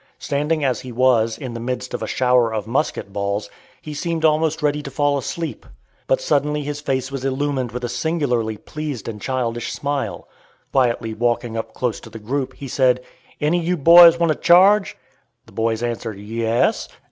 Standing, as he was, in the midst of a shower of musket balls, he seemed almost ready to fall asleep. But suddenly his face was illumined with a singularly pleased and childish smile. Quietly walking up close to the group, he said, "Any you boys want to charge?" The boys answered, "Yes."